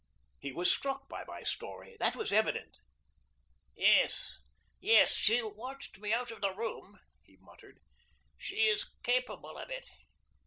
He was struck by my story. That was evident. "Yes, yes, she watched me out of the room," he muttered. "She is capable of it.